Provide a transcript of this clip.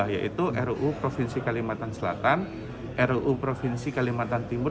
yaitu ruu provinsi kalimantan selatan ruu provinsi kalimantan timur